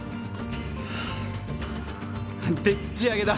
フッでっちあげだ。